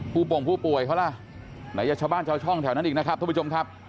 ผู้ป่งผู้ป่วยเขาล่ะไหนจะช่วยช่องแถวนั้นอีกนะครับทุกผู้ชมครับ